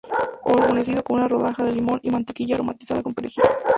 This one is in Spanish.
O guarnecido con una rodaja de limón y mantequilla aromatizada con perejil.